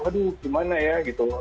aduh gimana ya gitu